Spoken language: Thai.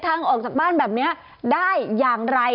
ทางออกจากบ้านแบบนี้ได้อย่างไร